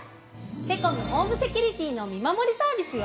セコム・ホームセキュリティの見守りサービスよ。